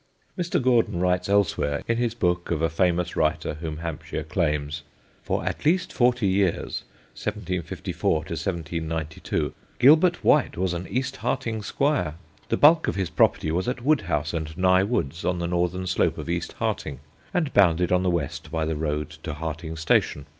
Mr. Gordon writes elsewhere in his book of a famous writer whom Hampshire claims: "For at least forty years (1754 1792) Gilbert White was an East Harting squire. The bulk of his property was at Woodhouse and Nye woods, on the northern slope of East Harting, and bounded on the west by the road to Harting station.